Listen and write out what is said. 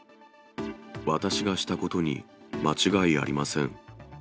私がしたことに間違いありません。